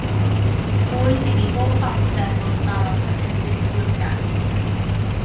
Boed i mi bob amser fod yn barod ac yn ddisgwylgar